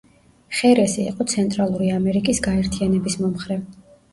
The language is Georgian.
ხერესი იყო ცენტრალური ამერიკის გაერთიანების მომხრე.